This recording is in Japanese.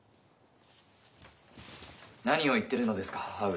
何を言っているのですか母上。